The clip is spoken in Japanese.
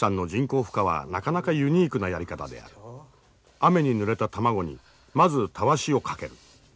雨に濡れた卵にまずたわしをかける。